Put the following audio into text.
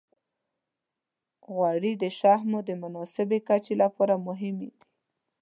غوړې د شحمو د مناسبې کچې لپاره هم مهمې دي.